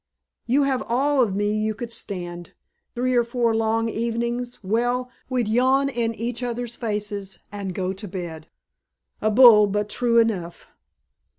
You have all of me you could stand. Three or four long evenings well, we'd yawn in each other's faces and go to bed. A bull but true enough."